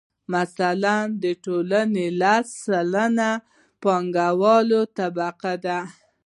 مثلاً د ټولنې لس سلنه یې پانګواله طبقه ده